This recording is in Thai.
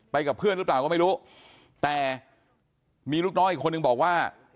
กับเพื่อนหรือเปล่าก็ไม่รู้แต่มีลูกน้องอีกคนนึงบอกว่า